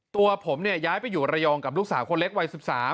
ตัวผมย้ายไปอยู่ระยองกับลูกสาวคนเล็กวัย๑๓